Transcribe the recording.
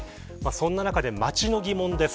そんな中で、街の疑問です。